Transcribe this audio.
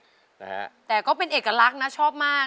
รูปสุดงามสมสังคมเครื่องใครแต่หน้าเสียดายใจทดสกัน